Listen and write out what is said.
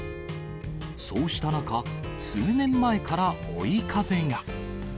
そうした中、数年前から追い風が。